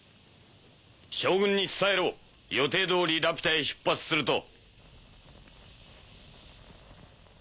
将軍に伝えろ予定通りラピュタへ出発すると。